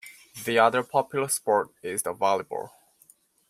The other popular sport is the volleyball.